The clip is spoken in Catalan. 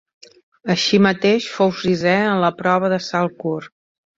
Així mateix fou sisè en la prova de salt curt.